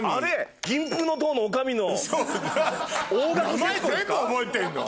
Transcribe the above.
名前全部覚えてんの？